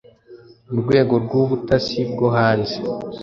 Urwego rw'ubutasi bwo hanze